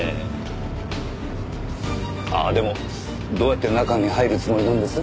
ああでもどうやって中に入るつもりなんです？